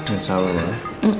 insya allah ya